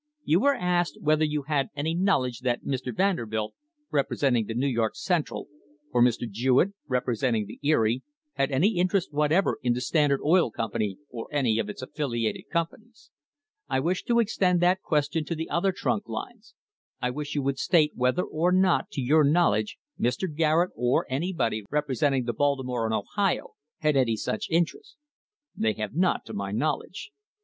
You were asked whether you had any knowledge that Mr. Vanderbilt, representing the New York Central, or Mr. Jewett, representing the Erie, had any interest whatever in the Standard Oil Company or any of its affiliated companies. I wish to extend that question to the other trunk lines. I wish you would state whether or not to your knowledge Mr. Garrett, or any body representing the Baltimore and Ohio, had any such interest ?" "They have not to my knowledge."